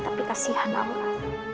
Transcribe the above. tapi kasihan aura